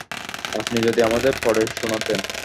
আপনি যদি আমাদের পড়ে শোনাতেন।